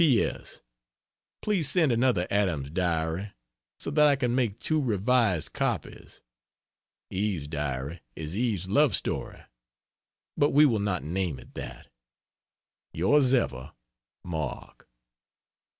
P. S. Please send another Adam's Diary, so that I can make 2 revised copies. Eve's Diary is Eve's love Story, but we will not name it that. Yrs ever, MARK.